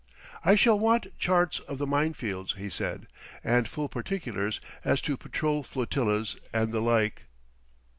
"I shall want charts of the minefields," he said, "and full particulars as to patrol flotillas and the like."